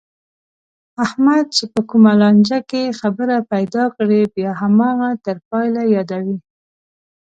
احمد چې په کومه لانجه کې خبره پیدا کړي، بیا هماغه تر پایه یادوي.